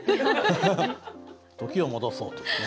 時を戻そうというね。